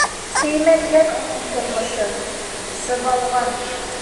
Сеймәлгән уның тормошо, сыбалған.